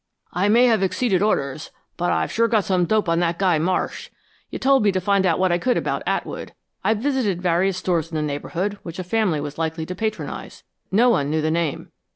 "I may have exceeded orders, but I've sure got some dope on that guy, Marsh. You told me to find out what I could about Atwood. I visited various stores in the neighborhood which a family was likely to patronize. No one knew the name.